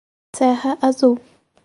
Serra Azul